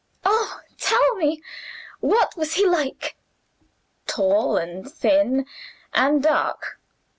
"Oh, tell me! what was he like?" "Tall, and thin, and dark.